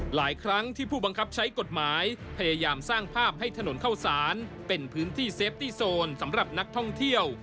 หลายครั้งที่ผู้บังคับใช้กฎหมายพยายามสร้างภาพให้ถนนเข้าสารเป็นพื้นที่เซฟตี้โซนสำหรับนักท่องเที่ยว